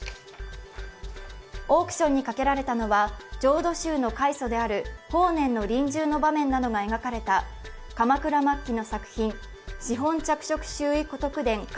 オークションにかけられたのは、浄土宗の開祖である法然の臨終の場面などが描かれた鎌倉末期の作品、紙本著色拾遺古徳伝巻